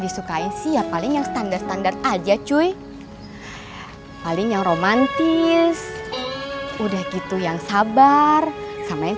disukai sih apalagi standar standar aja cuy paling romantis udah gitu yang sabar sama yang